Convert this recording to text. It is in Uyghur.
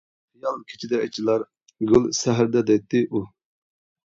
خىيال كېچىدە ئېچىلار، گۈل سەھەردە دەيتتى ئۇ.